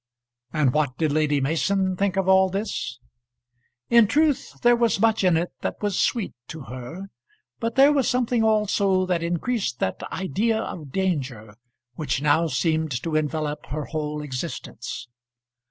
And what did Lady Mason think of all this? In truth there was much in it that was sweet to her, but there was something also that increased that idea of danger which now seemed to envelop her whole existence.